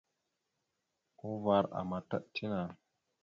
Uvar àmataɗ tinaŋ.